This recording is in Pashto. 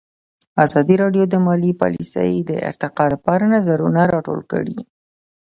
ازادي راډیو د مالي پالیسي د ارتقا لپاره نظرونه راټول کړي.